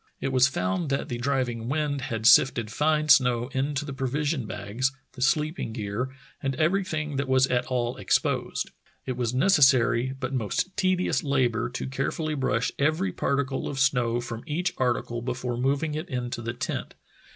It was found that the driving wind had sifted fine snow into the pro vision bags, the sleeping gear, and everything that was at all exposed. It was a necessary but most tedious labor to carefully brush every particle of snow from each article before moving it into the tent.